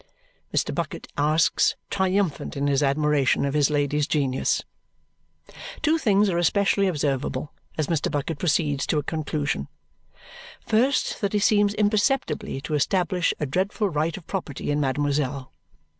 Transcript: Mr. Bucket asks, triumphant in his admiration of his lady's genius. Two things are especially observable as Mr. Bucket proceeds to a conclusion. First, that he seems imperceptibly to establish a dreadful right of property in mademoiselle.